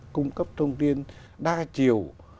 cung cấp thông tin đa chiều